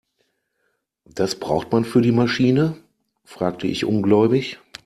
Das braucht man für die Maschine?, fragte ich ungläubig.